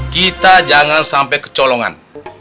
kita jangan sampai kecolongan